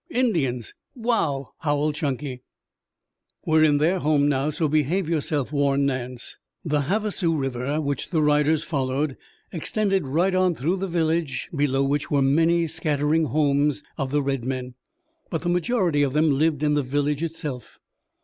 "Indians! Wow!" howled Chunky. "We are in their home now, so behave yourself," warned Nance. The Havasu River, which the riders followed, extended right on through the village, below which were many scattering homes of the red men, but the majority of them lived in the village itself.